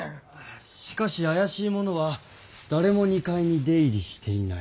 しかし怪しい者は誰も二階に出入りしていない。